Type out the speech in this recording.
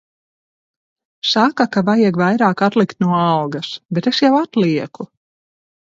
Saka, ka vajag vairāk atlikt no algas. Bet es jau atlieku.